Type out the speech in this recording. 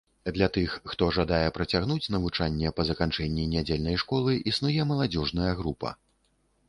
Для тых, хто жадае працягнуць навучанне па заканчэнні нядзельнай школы, існуе маладзёжная група.